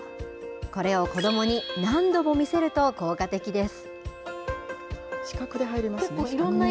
これを子どもに何度も見せると効果的です。